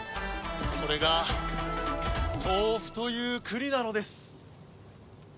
それがトウフという国なのです。